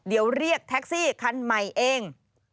เดี๋ยวเรียกแท็กซี่คันใหม่เอง